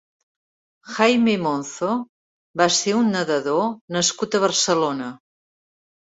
Jaime Monzo va ser un nedador nascut a Barcelona.